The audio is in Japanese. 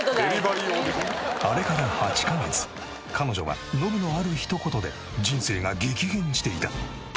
あれから８カ月彼女はノブのある一言で人生が激変していた。